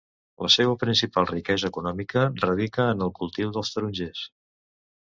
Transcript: La seua principal riquesa econòmica radica en el cultiu dels tarongers.